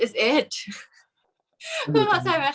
กากตัวทำอะไรบ้างอยู่ตรงนี้คนเดียว